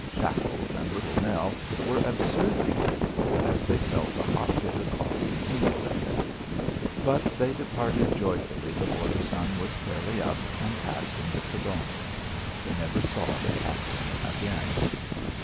Shackles and Little Nell were absurdly grateful as they felt the hot bitter coffee tingle in them. But they departed joyfully before the sun was fairly up, and passed into Siboney. They never saw the captain again.